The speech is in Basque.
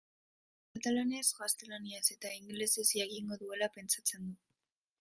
Katalanez, gaztelaniaz eta ingelesez jakingo duela pentsatzen dut.